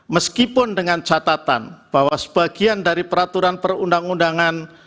meskipun dengan catatan bahwa sebagian dari peraturan perundang undangan